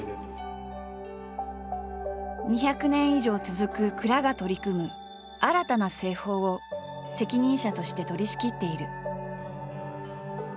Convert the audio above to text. ２００年以上続く蔵が取り組む新たな製法を責任者として取りしきっている。